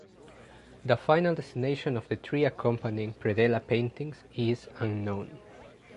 The final destination of the three accompanying predella paintings is unknown.